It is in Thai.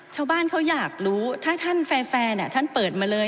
ชาวบ้านเขาอยากรู้ถ้าท่านแฟร์ท่านเปิดมาเลย